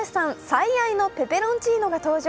最愛のペペロンチーノが登場。